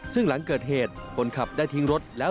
ซึ่งหลังเกิดเหตุคนขับได้ทิ้งรถแล้ว